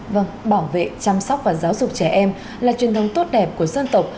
vâng bảo vệ chăm sóc và giáo dục trẻ em là truyền thống tốt đẹp của dân tộc